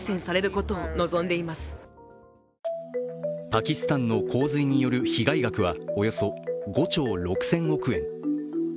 パキスタンの洪水による被害額はおよそ５兆６０００億円。